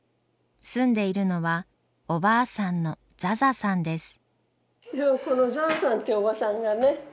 住んでいるのはおばあさんのザザさんです。